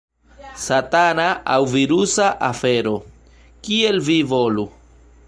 Satana aŭ virusa afero: kiel vi volu.